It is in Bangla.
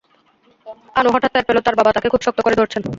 আনু হঠাৎ টের পেল তারা বাবা তাকে খুব শক্ত করে ধরছেন।